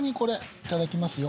いただきますよ。